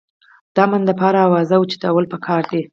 د امن دپاره اواز اوچتول پکار دي